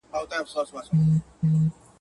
دولت وویل تر علم زه مشهور یم.